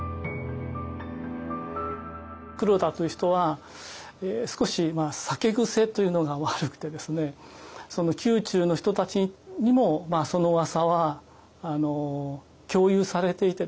黒田という人は少し酒癖というのが悪くてですね宮中の人たちにもそのうわさは共有されていてですね